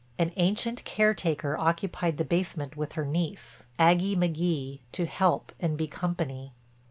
An ancient caretaker occupied the basement with her niece, Aggie McGee, to help and be company.